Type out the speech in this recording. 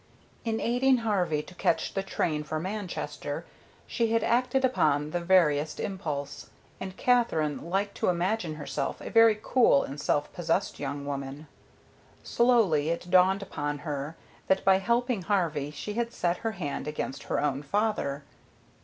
In aiding Harvey to catch the train for Manchester she had acted upon the veriest impulse, and Katherine liked to imagine herself a very cool and self possessed young woman. Slowly it dawned upon her that by helping Harvey she had set her hand against her own father.